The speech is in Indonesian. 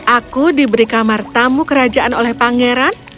aku diberi kamar tamu kerajaan oleh pangeran